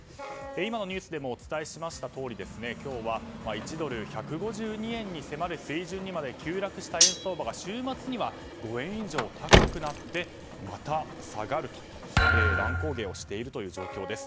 今のニュースでもお伝えしましたとおり今日は１ドル＝１５２円に迫る水準にまで急落した円相場が週末には５円以上高くなってまた下がるという乱高下をしている状況です。